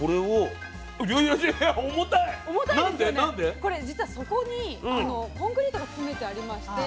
これ実は底にコンクリートが詰めてありまして。